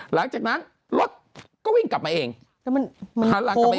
หลังจากนั้นรถก็วิ่งกลับมาเองแล้วมันมันโพงเองด้วยเนี้ย